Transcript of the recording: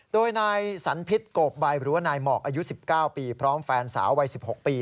โดยนายสันพิษโกบใบหรือว่านายหมอกอายุ๑๙ปีพร้อมแฟนสาววัย๑๖ปี